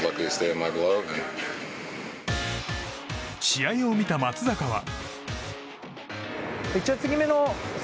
試合を見た松坂は。